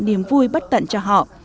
niềm vui bất tận cho họ